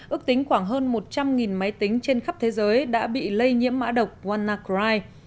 ước tính khoảng hơn một trăm linh máy tính trên khắp thế giới đã bị lây nhiễm mã độc wannacry